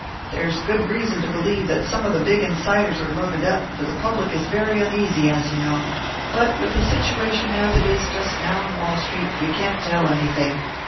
There is good reason to believe that some of the big insiders are loaded up, for the public is very uneasy, as you know; but with the situation as it is just now in Wall Street, you can't tell anything.